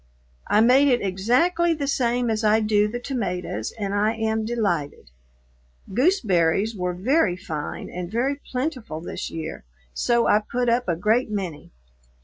I made it exactly the same as I do the tomatoes and I am delighted. Gooseberries were very fine and very plentiful this year, so I put up a great many.